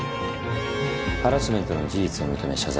ハラスメントの事実を認め謝罪。